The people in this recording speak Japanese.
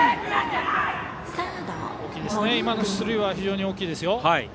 今の出塁は非常に大きいですよ。